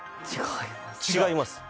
違います。